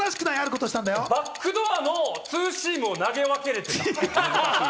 バックドアのツーシームを投げ分けられた。